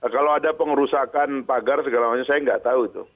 kalau ada pengerusakan pagar segala macam saya nggak tahu itu